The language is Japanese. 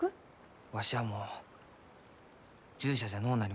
わしはもう従者じゃのうなりました。